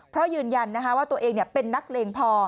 เพราะยืนยันว่าตัวเองเป็นนักเลงพอ